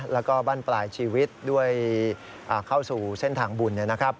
แล้วก็บ้านปลายชีวิตด้วยเข้าสู่เส้นทางบุญ